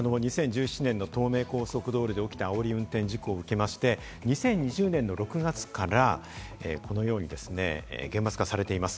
２０１７年の東名高速道路で起きたあおり運転事故を受けまして、２０２０年の６月からこのように厳罰化されています。